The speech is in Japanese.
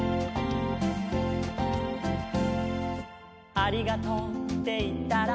「ありがとうっていったら」